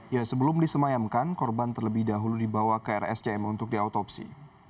ya sebelum disemayamkan korban terlebih dahulu dibawa ke rsjm untuk diautopsi